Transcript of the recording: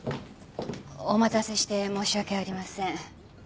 お待たせして申し訳ありません。